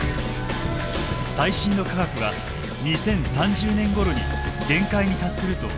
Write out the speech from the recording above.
最新の科学は２０３０年ごろに限界に達すると警告しています。